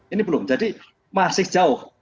ini belum jadi masih jauh